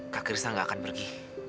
kak krishna gak akan pergi